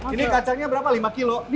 ini kacanya berapa lima kilo